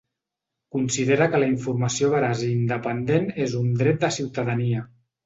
Considera que la informació veraç i independent és un dret de ciutadania.